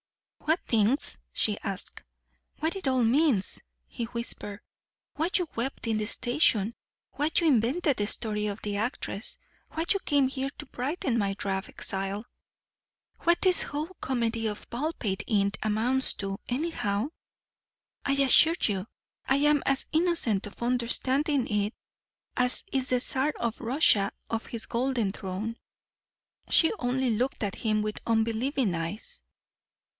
"What things?" she asked. "What it all means," he whispered. "Why you wept in the station, why you invented the story of the actress, why you came here to brighten my drab exile what this whole comedy of Baldpate Inn amounts to, anyhow? I assure you I am as innocent of understanding it as is the czar of Russia on his golden throne." She only looked at him with unbelieving eyes.